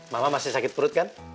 mama masih sakit perut kan